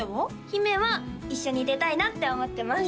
姫は一緒に出たいなって思ってます